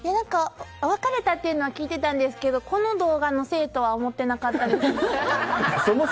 別れたというのは聞いてたんですけどこの動画のせいとは思っていなかったです。